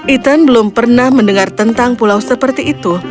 ethan belum pernah mendengar tentang pulau seperti itu